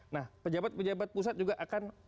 nah pejabat pejabat pusat juga akan